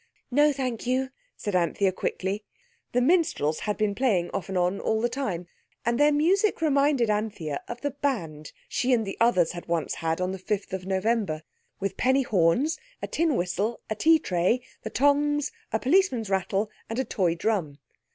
"No, thank you," said Anthea quickly. The minstrels had been playing off and on all the time, and their music reminded Anthea of the band she and the others had once had on the fifth of November—with penny horns, a tin whistle, a tea tray, the tongs, a policeman's rattle, and a toy drum.